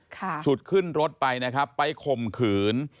ฉุดขึ้นรถไปนะครับไปข่มขืน